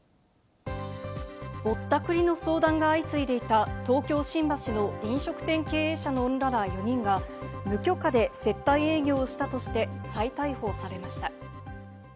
ボッタクリの相談が相次いでいた東京・新橋の飲食店経営者の女ら４人が無許可で接待営業をしたとして再逮捕されました。